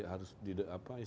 harus di apa